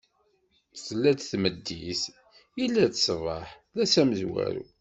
Tella-d tmeddit, illa-d ṣṣbeḥ: d ass amezwaru.